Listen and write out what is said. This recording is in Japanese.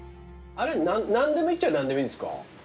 何でもいいっちゃ何でもいいんですか？